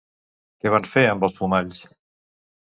Què van fer amb els fumalls?